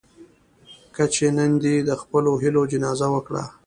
کچې نن دې د خپلو هيلو جنازه وکړه.